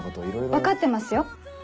分かってますよ